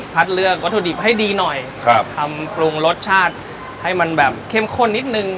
เลือกวัตถุดิบให้ดีหน่อยครับทำปรุงรสชาติให้มันแบบเข้มข้นนิดนึง